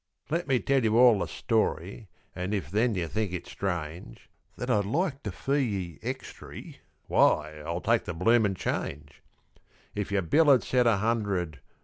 Let me tell you all the story, an' if then you think it strange, That I'd like to fee ye extry why, I'll take the bloomin' change. If yer bill had said a hundred